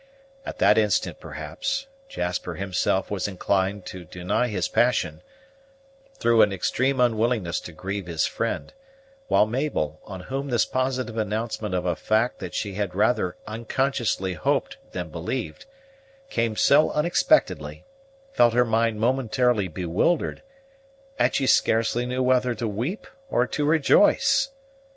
At that instant, perhaps, Jasper himself was inclined to deny his passion, through an extreme unwillingness to grieve his friend; while Mabel, on whom this positive announcement of a fact that she had rather unconsciously hoped than believed, came so unexpectedly, felt her mind momentarily bewildered; and she scarcely knew whether to weep or to rejoice.